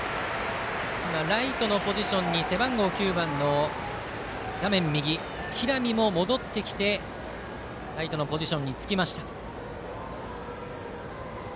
ライトのポジションに背番号９番の平見も戻ってきてライトのポジションにつきました。